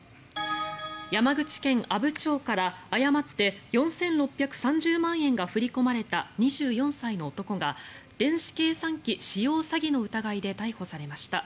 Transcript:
山口県阿武町から誤って４６３０万円が振り込まれた２４歳の男が電子計算機使用詐欺の疑いで逮捕されました。